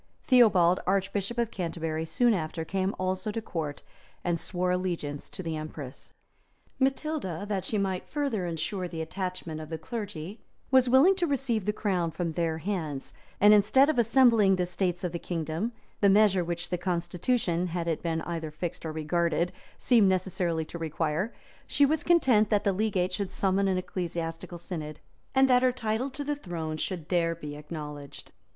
[] Theobald, archbishop of Canterbury, soon after came also to court, and swore allegiance to the empress.[] [* W. Malms, p. 187.] [ Chron. Sax. p 242. Contin. Flor. Wigorn. p. 676] [ W. Malms, p. 187.] Matilda, that she might further insure the attachment of the clergy, was willing to receive the crown from their hands; and instead of assembling the states of the kingdom, the measure which the constitution, had it been either fixed or regarded, seemed necessarily to require, she was content that the legate should summon an ecclesiastical synod, and that her title to the throne should there be acknowledged.